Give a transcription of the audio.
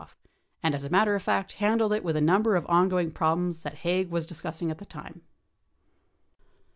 1014 off, and as a matter of fact, handled it with a number of ongoing prob lems that [Haig] was discussing at the time."